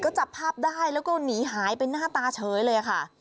ก็จับภาพได้แล้วก็หนีหายไปหน้าตาเฉยเลยค่ะ